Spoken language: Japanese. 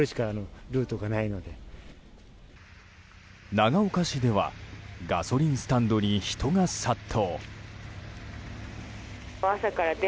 長岡市ではガソリンスタンドに人が殺到。